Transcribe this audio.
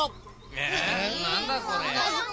えなんだこれ？